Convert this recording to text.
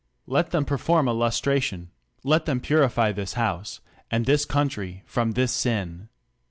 Let them perform a lustration; let them purity tl.is House, and this country from this sin.